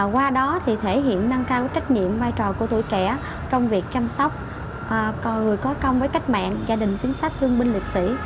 qua đó thì thể hiện nâng cao trách nhiệm vai trò của tuổi trẻ trong việc chăm sóc người có công với cách mạng gia đình chính sách thương binh liệt sĩ